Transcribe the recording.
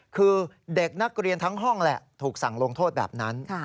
คือเด็กนักเรียนทั้งห้องแหละถูกสั่งลงโทษแบบนั้น